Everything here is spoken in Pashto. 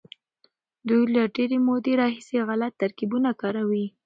دوی له ډېرې مودې راهيسې غلط ترکيبونه کاروي.